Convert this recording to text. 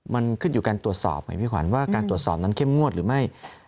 มันขึ้นอยู่การตรวจสอบไงพี่ขวัญว่าการตรวจสอบนั้นเข้มงวดหรือไม่